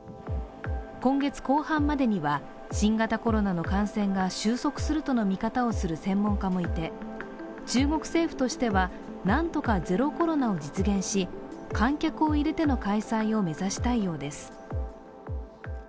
今月後半までには、新型コロナの感染が収束するとの見方をする専門家もいて中国政府としては、何とかゼロコロナを実現し、観客を入れての開催を目指したいようです。